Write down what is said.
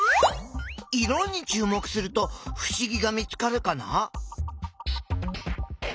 色にちゅう目するとふしぎが見つかるかな？